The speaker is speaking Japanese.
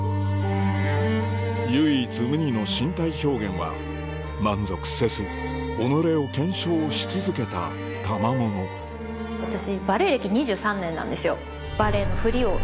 唯一無二の身体表現は満足せず己を検証し続けたたまものかなって思います。